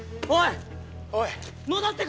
おい！